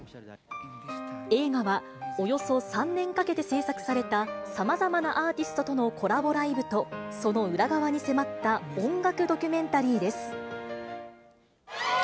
映画はおよそ３年かけて制作されたさまざまなアーティストとのコラボライブと、その裏側に迫った音楽ドキュメンタリーです。